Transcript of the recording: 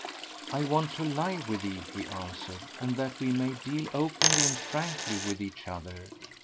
"I want to lie with thee," he answered, "and that we may deal openly and frankly with each other."